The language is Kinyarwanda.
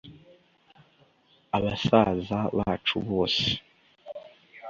abasaza bacu bose